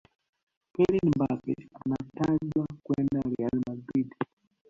kylian mbappe anatajwa kwenda real madrid